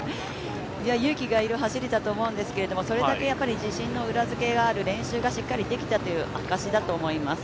勇気が要る走りだと思うんですけど、それだけ自信の裏付けがある練習ができたという証しだと思います。